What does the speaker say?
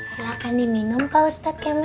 silahkan diminum pak ustadz kami